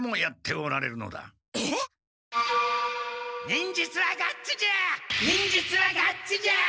忍術はガッツじゃ！